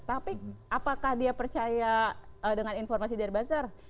tapi apakah dia percaya dengan informasi dari buzzer